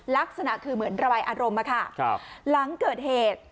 ลักษณะคือเหมือนระบายอารมณ์อะค่ะครับหลังเกิดเหตุ